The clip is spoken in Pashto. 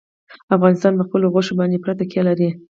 افغانستان په خپلو غوښې باندې پوره تکیه لري.